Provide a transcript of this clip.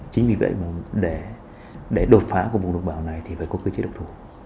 chính vì vậy mà để đột phá của vùng đồng bào này thì phải có cơ chế độc thủ